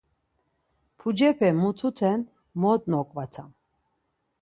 Pucepe mututen mot noǩvatam.